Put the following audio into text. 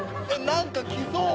何か来そう！